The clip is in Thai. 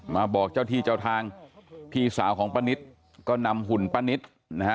บอกเจ้าที่เจ้าทางพี่สาวของป้านิตก็นำหุ่นป้านิตนะฮะ